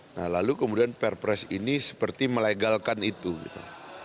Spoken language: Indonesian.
nah lalu kemudian perpres ini seperti melegalkan itu gitu